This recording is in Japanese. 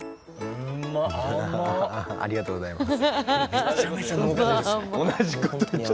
ありがとうございます。